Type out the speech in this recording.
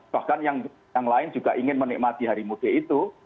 bahkan yang lain juga ingin menikmati hari mudik itu